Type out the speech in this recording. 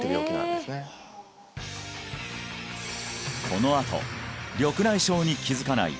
このあと緑内障に気づかない